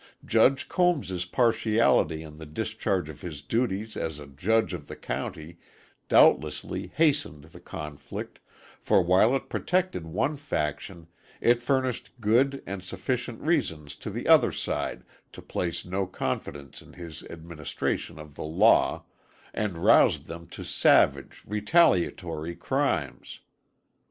Judge Combs' partiality in the discharge of his duties as judge of the county doubtlessly hastened the conflict, for while it protected one faction, it furnished good and sufficient reasons to the other side to place no confidence in his administration of the law, and roused them to savage, retaliatory crimes.